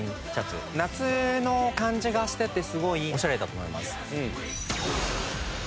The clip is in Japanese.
夏の感じがしててすごいオシャレだと思います。